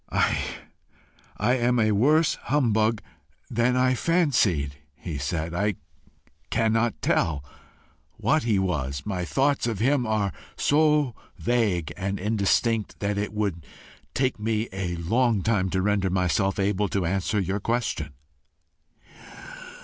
"I am a worse humbug than I fancied," he said. "I cannot tell what he was. My thoughts of him are so vague and indistinct that it would take me a long time to render myself able to answer your question."